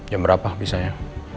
jam berapa bisanya